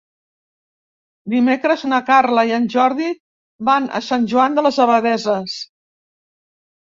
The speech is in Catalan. Dimecres na Carla i en Jordi van a Sant Joan de les Abadesses.